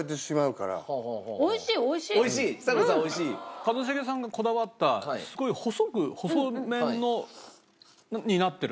一茂さんがこだわったすごい細く細麺になってるホントに。